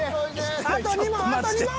あと２問あと２問。